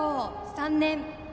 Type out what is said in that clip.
３年